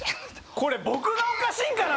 これ僕がおかしいんかな？